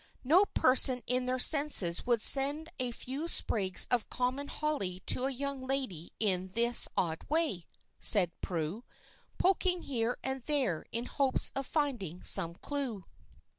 No person in their senses would send a few sprigs of common holly to a young lady in this odd way," said Prue, poking here and there in hopes of finding some clue.